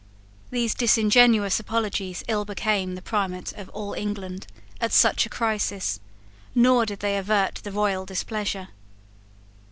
These disingenuous apologies ill became the Primate of all England at such a crisis; nor did they avert the royal displeasure.